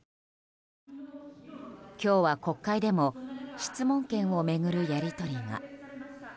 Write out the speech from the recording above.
今日は国会でも質問権を巡るやりとりが。